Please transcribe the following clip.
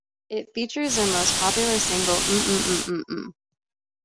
It features their most popular single, "Mmm Mmm Mmm Mmm".